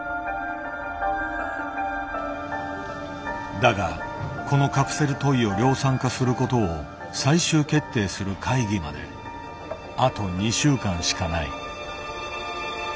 だがこのカプセルトイを量産化することを最終決定する会議まであと２週間しかない。